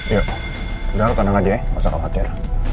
yuk udah lu tahan aja ya masa kau khawatir